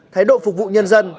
thái độ phục vụ nhân dân